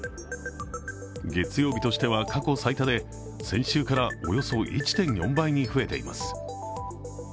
月曜日としては過去最多で先週からおよそ１．４倍に増えています。